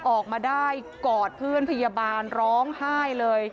ออกมาได้กอดเพื่อนพยาบาลร้องไห้เลย